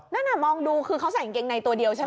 นั่นน่ะมองดูคือเขาใส่กางเกงในตัวเดียวใช่ไหม